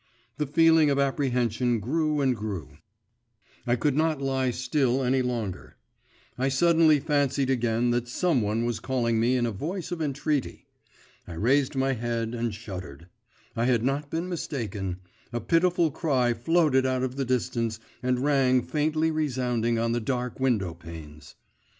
The feeling of apprehension grew and grew; I could not lie still any longer; I suddenly fancied again that some one was calling me in a voice of entreaty.… I raised my head and shuddered; I had not been mistaken; a pitiful cry floated out of the distance and rang faintly resounding on the dark window panes.